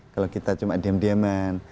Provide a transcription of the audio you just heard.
kalau kita cuma diam diaman